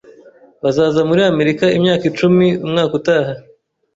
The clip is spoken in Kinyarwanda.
Bazaba muri Amerika imyaka icumi umwaka utaha.